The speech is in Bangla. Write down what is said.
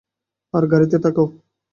আর, গাড়িতেই থাকো।